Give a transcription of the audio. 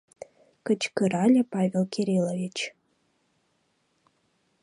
— кычкырале Павел Кириллович.